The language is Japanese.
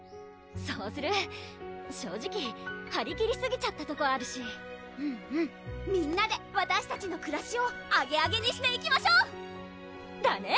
そうする正直はり切りすぎちゃったとこあるしみんなでわたしたちのくらしをアゲアゲにしていきましょう！だね！